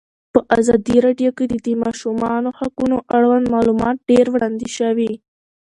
په ازادي راډیو کې د د ماشومانو حقونه اړوند معلومات ډېر وړاندې شوي.